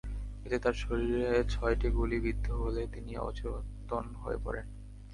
এতে তাঁর শরীরে ছয়টি গুলি বিদ্ধ হলে তিনি অচেতন হয়ে পড়েন।